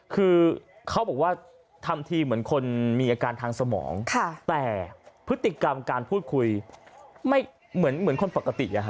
คือเขาบอกว่าทำทีเหมือนคนมีอาการทางสมองแต่พฤติกรรมการพูดคุยไม่เหมือนคนปกติ